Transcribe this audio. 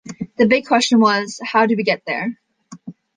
The big question was: how do we get there?